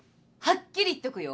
はっきり言っとくよ。